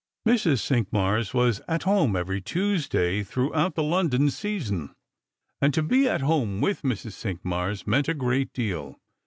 Mrs. Cinqmars was at home every Tuesday throughout the London season, and to be at home with Mrs. Cinqmars meant a great deal.